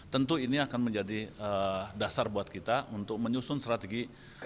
tentu ini akan menjadi dasar buat kita untuk menyusun strategi